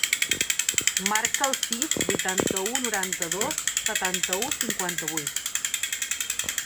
Marca el sis, vuitanta-u, noranta-dos, setanta-u, cinquanta-vuit.